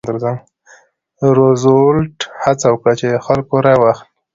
روزولټ هڅه وکړه چې د خلکو رایه واخلي.